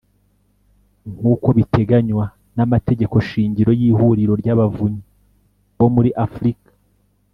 Nk uko biteganywa n Amategeko Shingiro y Ihuriro ry Abavunyi bo muri Afurika